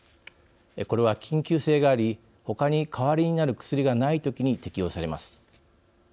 これは、緊急性があり他に代わりになる薬がない時に適用されます。